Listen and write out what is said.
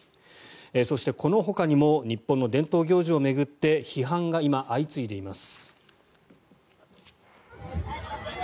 そして、このほかにも日本の伝統行事を巡って批判が今、相次いでいます。